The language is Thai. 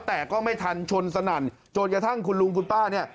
แต่ก็ไม่ทันชนสนั่นจนกระทั่งคุณลุงคุณป้าเนี่ย